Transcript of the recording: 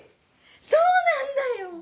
そうなんだよ！